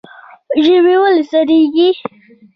ژمی ولې سړیږي؟